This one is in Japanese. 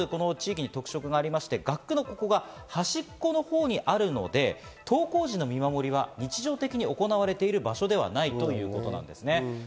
また、学区のここが端っこのほうにあるので登校時の見回りは日常的に行われている場所ではないということです。